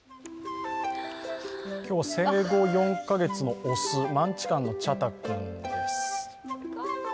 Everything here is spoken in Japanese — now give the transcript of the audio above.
今日は生後４カ月の雄マンチカンのちゃた君です。